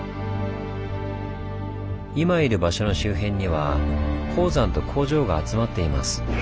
今いる場所の周辺には鉱山と工場が集まっています。